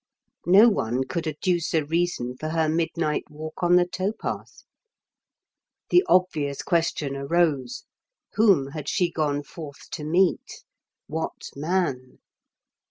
No one could adduce a reason for her midnight walk on the tow path. The obvious question arose. Whom had she gone forth to meet? What man?